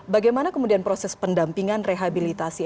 bagaimana kemudian proses pendampingan rehabilitasi